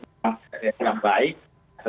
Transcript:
kesehatan kita sehat sehat dan kelesatan kita